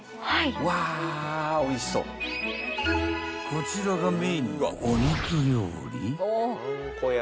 ［こちらがメインのお肉料理］